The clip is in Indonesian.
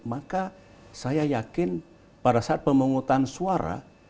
maka saya yakin pada saat pemungutan suara